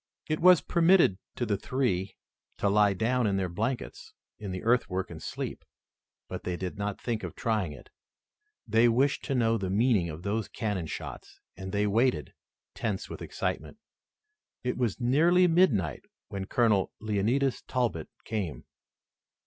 It was permitted to the three to lie down in their blankets in the earthwork and sleep, but they did not think of trying it. They wished to know the meaning of those cannon shots and they waited, tense with excitement. It was nearly midnight when Colonel Leonidas Talbot came.